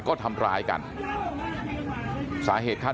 สวัสดีครับคุณผู้ชาย